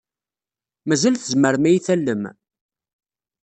Mazal tzemrem ad iyi-tallem?